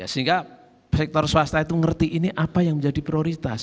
sehingga sektor swasta itu ngerti ini apa yang menjadi prioritas